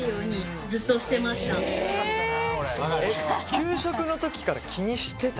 給食の時から気にしてた？